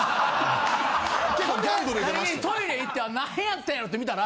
ほんで何気にトイレ行って何やったんやろう？って見たら。